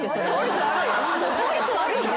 効率悪いよ。